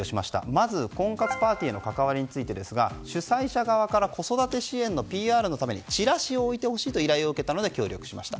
まず、婚活パーティーへの関わりについてですが主催者側から子育て支援のＰＲのためにチラシを置いてほしいといわれたので協力しました。